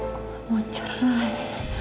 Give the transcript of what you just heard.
aku nggak mau cerai